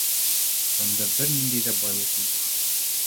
Бында бер ниндәй ҙә байлыҡ юҡ.